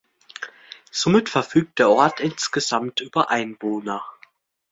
Somit verfügt der Ort insgesamt über Einwohner.